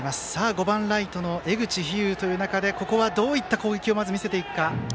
５番ライト、江口飛勇という中でここはどういった攻撃を見せていくか。